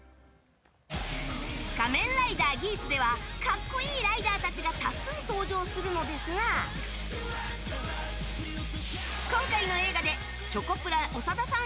「仮面ライダーギーツ」では格好いいライダーたちが多数登場するのですが今回の映画でチョコプラ長田さん